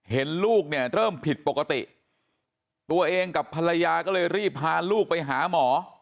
เห็นลูกเนี่ยเริ่มผิดปกติตัวเองกับภรรยาก็เลยรีบพาลูกไปหาหมอ